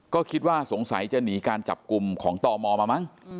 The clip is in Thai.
ก็คิดว่าสงสัยจะหนีการจับกลุ่มของตมมามั้ง